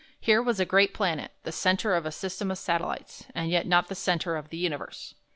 Here was a great planet, the centre of a system of satellites, and yet not the centre of the universe.